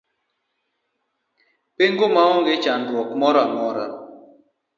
Pengo ma onge chandruok moro amora.